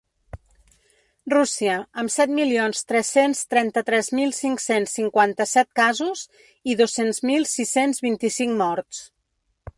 Rússia, amb set milions tres-cents trenta-tres mil cinc-cents cinquanta-set casos i dos-cents mil sis-cents vint-i-cinc morts.